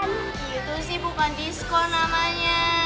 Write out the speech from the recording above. itu sih bukan diskon namanya